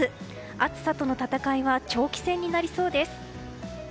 暑さとの戦いは長期戦になりそうです。